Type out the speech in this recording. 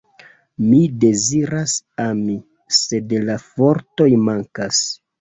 Mi deziras ami, sed la fortoj mankas.